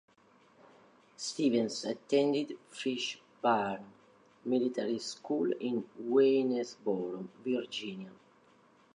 Stevens attended Fishburne Military School in Waynesboro, Virginia.